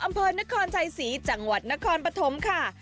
อำเภอนครชัยศรีจังหวัดนครปฐมค่ะ